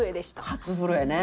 初震えね。